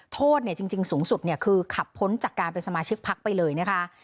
โทษจริงสูงสุดคือขับพ้นจากการเป็นสมาชิกพักไปเลยนะคะ